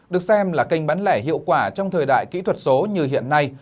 được xem là kênh bán lẻ hiệu quả trong thời đại kỹ thuật số như hiện nay